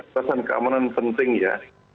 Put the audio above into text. perasaan keamanan penting ya